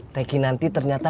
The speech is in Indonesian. teki nanti ternyata